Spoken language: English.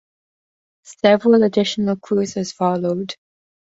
Several additional cruises followed.